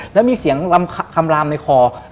แล้วมีเสียงลำคำลามในคอ